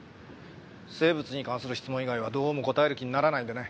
生物に関する質問以外はどうも答える気にならないんでね。